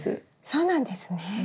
そうなんですね。